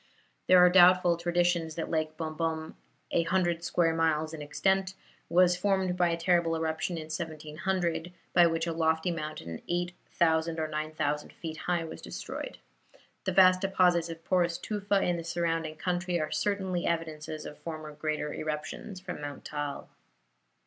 There are doubtful traditions that Lake Bombom, a hundred square miles in extent, was formed by a terrible eruption in 1700, by which a lofty mountain 8000 or 9000 feet high, was destroyed. The vast deposits of porous tufa in the surrounding country are certainly evidences of former great eruptions from Mount Taal.